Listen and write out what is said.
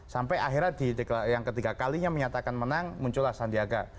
sampai akhirnya yang ketiga kalinya menyatakan menang muncullah sandiaga